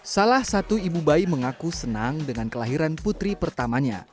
salah satu ibu bayi mengaku senang dengan kelahiran putri pertamanya